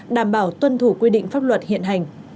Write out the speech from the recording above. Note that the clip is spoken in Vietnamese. đảm bảo tuân thủ quy định pháp luật hiện hành